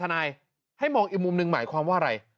ทนายให้มองอีกมุมหนึ่งหมายความว่าอะไร